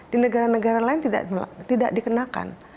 di negara negara lain tidak dikenakan